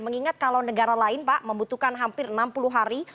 mengingat kalau negara lain pak membutuhkan hampir enam puluh hari